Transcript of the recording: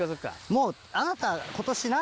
もうあなた。